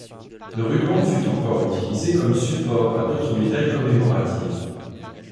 Le ruban fut encore utilisé comme support à d'autres médailles commémoratives.